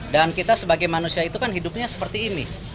dan kita sebagai manusia itu kan hidupnya seperti ini